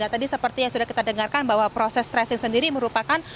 tadi seperti yang sudah kita dengarkan bahwa proses tracing sendiri merupakan